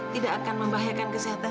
tidak akan membahayakan keseluruhan orang